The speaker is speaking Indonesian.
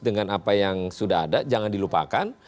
dengan apa yang sudah ada jangan dilupakan